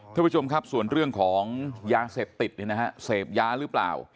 ทุกผู้ชมครับส่วนเรื่องของยาเสพติดเนี่ยนะฮะเสพยาหรือเปล่า